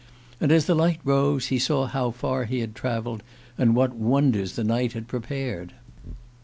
And as the light rose, he saw how far he had travelled and what wonders the night had prepared.